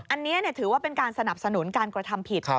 อันนี้ถือว่าเป็นการสนับสนุนการกระทำผิด